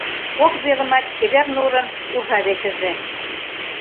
Кок велымат «Чевер нурын» уржавечыже.